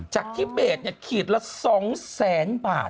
จากที่เบสเนี่ยขีดละสองแสนบาท